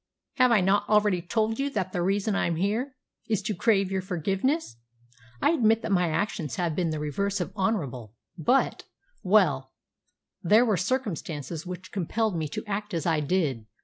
"Have I not already told you that the reason I'm here is to crave your forgiveness? I admit that my actions have been the reverse of honourable; but well, there were circumstances which compelled me to act as I did."